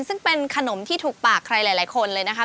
ซึ่งเป็นขนมที่ถูกปากใครหลายคนเลยนะคะ